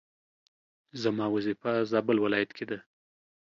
زما وظيفه زابل ولايت کي ده